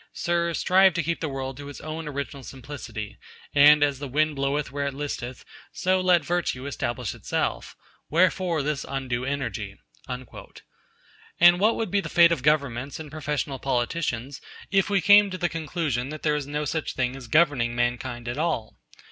Sirs, strive to keep the world to its own original simplicity, and, as the wind bloweth where it listeth, so let Virtue establish itself. Wherefore this undue energy?' And what would be the fate of governments and professional politicians if we came to the conclusion that there is no such thing as governing mankind at all?